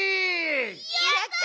やった！